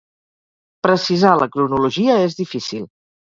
Precisar la cronologia és difícil.